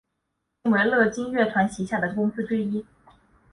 现为乐金集团旗下的公司之一。